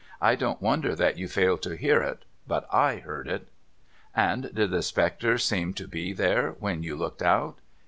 I don't wonder that you failed to hear it. But / heard it.' ' And did the spectre seem to be there, when you looked out